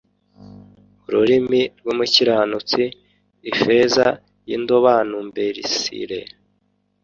ururimi rw’umukiranutsini ifeza y’indobanumbersre,